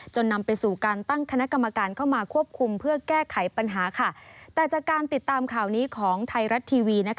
นำไปสู่การตั้งคณะกรรมการเข้ามาควบคุมเพื่อแก้ไขปัญหาแต่จากการติดตามข่าวนี้ของไทยรัฐทีวี